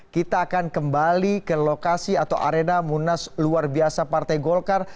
kita akan kembali ke lokasi atau arena munas luar biasa partai golkar